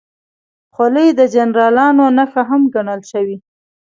خولۍ د جنرالانو نښه هم ګڼل شوې.